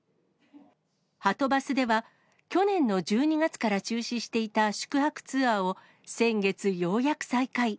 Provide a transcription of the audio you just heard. はとバスでは、去年の１２月から中止していた宿泊ツアーを、先月、ようやく再開。